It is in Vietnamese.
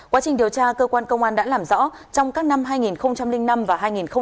quá trình điều tra cơ quan công an đã làm rõ trong các năm hai nghìn năm và hai nghìn một mươi ba